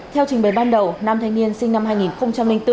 theo trình bày ban đầu nam thanh niên sinh năm hai nghìn bốn